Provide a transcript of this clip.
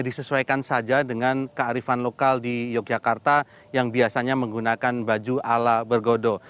disesuaikan saja dengan kearifan lokal di yogyakarta yang biasanya menggunakan baju ala bergodo